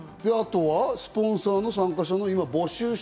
あとはスポンサー、参加者の募集。